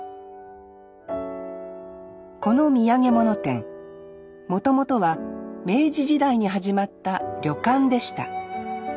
この土産物店もともとは明治時代に始まった旅館でした。